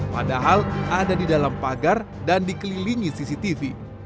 padahal ada di dalam pagar dan dikelilingi cctv